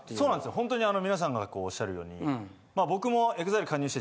ほんとに皆さんがおっしゃるように僕も。